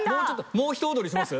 もうひと踊りします？